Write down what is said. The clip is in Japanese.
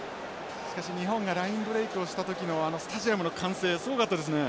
しかし日本がラインブレークをしたときのあのスタジアムの歓声すごかったですね。